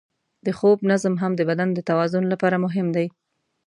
د خوب نظم هم د بدن د توازن لپاره مهم دی.